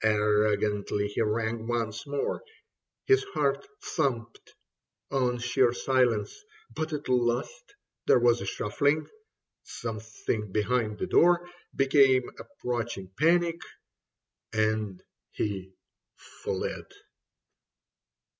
Arrogantly he rang once more. His heart thumped on sheer silence ; but at last There was a shuffling ; something behind the door Became approaching panic, and he fled.